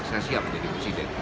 saya siap jadi presiden